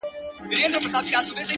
چي ستا د حسن پلوشې چي د زړه سر ووهي;